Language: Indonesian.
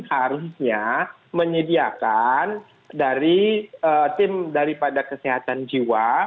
harusnya menyediakan dari tim daripada kesehatan jiwa